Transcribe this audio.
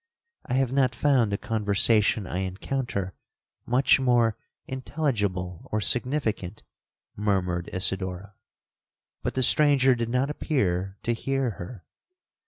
'—'I have not found the conversation I encounter much more intelligible or significant,' murmured Isidora, but the stranger did not appear to hear her.